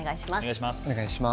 お願いします。